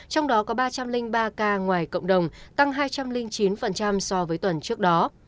trong đó có ba trăm linh ba ca ngoài cộng đồng tăng hai trăm linh chín so với tuần trước đó